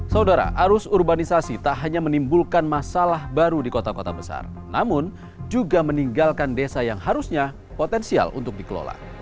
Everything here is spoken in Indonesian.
saudara arus urbanisasi tak hanya menimbulkan masalah baru di kota kota besar namun juga meninggalkan desa yang harusnya potensial untuk dikelola